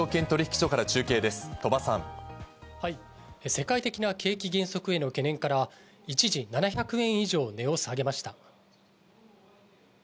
世界的な景気減速への懸念から一時７００円以上値を下げました。